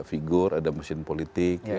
figur ada mesin politik